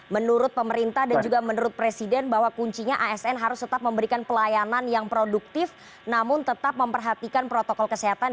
menurut pemerintah dan juga menurut presiden bahwa kuncinya asn harus tetap memberikan pelayanan yang produktif namun tetap memperhatikan protokol kesehatan